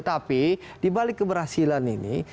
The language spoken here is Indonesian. tapi di balik keberhasilan ini